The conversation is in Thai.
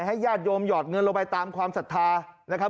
ญาติโยมหยอดเงินลงไปตามความศรัทธานะครับ